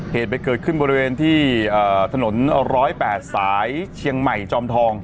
เหตุไปเกิดขึ้นบริเวณที่ถนน๑๐๘สายเชียงใหม่จอมทอง